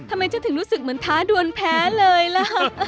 ทำไมฉันถึงรู้สึกเหมือนท้าดวนแพ้เลยล่ะ